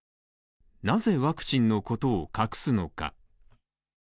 なぜワクチンのことを隠すのか。